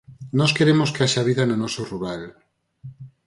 Nós queremos que haxa vida no noso rural.